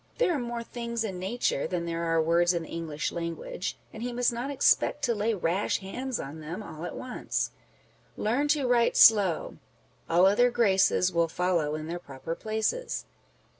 There are more things in nature than there are words in the English language, and he must not expect to lay rash hands on them all at once. Learn to write slow : all other graces Will follow in their proper places.